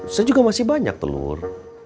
saya juga masih banyak telur